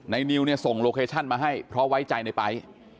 นิวเนี่ยส่งโลเคชั่นมาให้เพราะไว้ใจในไป๊